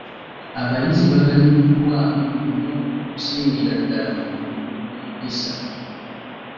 Abayizi baganyuddwamu nnyo okusingira ddala mu kutumbula empisa.